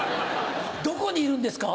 どこにいるんですか？